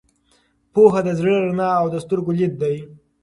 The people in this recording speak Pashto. پوهه د زړه رڼا او د سترګو لید دی.